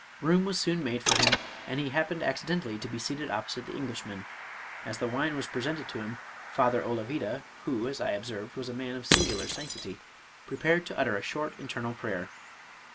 Room was soon made for him, and he happened accidentally to be seated op posite the Englishman. As the wine was presented to him> Father Olavida (who, as I observed, was a man of singu lar sanctity) prepared to utter a short internal prayer.